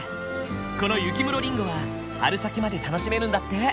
この雪室りんごは春先まで楽しめるんだって。